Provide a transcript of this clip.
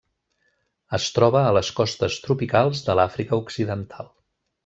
Es troba a les costes tropicals de l'Àfrica Occidental.